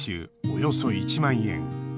およそ１万円。